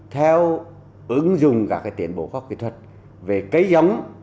theo ứng dụng các tiến bộ khoa học kỹ thuật về cây giống